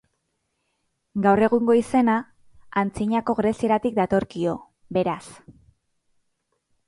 Gaur egungo izena antzinako grezieratik datorkio, beraz.